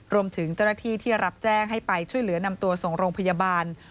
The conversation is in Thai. รวมถึงเจ้าหน้าที่ที่รับแจ้งให้ไปช่วยเหลือนำตัวส่งโรงพยาบาล